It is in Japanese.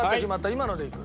今のでいく。